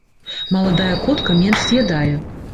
Маладая котка менш з'ядае.